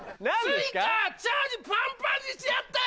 Ｓｕｉｃａチャージパンパンにしてやったよ！